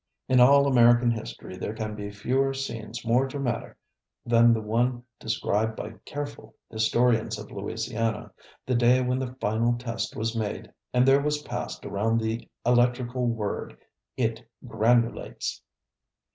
In all American history there can be fewer scenes more dramatic than the one described by careful historians of Louisiana, the day when the final test was made and there was passed around the electrical word, "It granulates!"